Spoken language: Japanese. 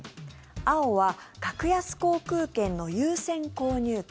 青は格安航空券の優先購入権。